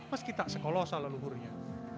meski tak sekolah salah luhurnya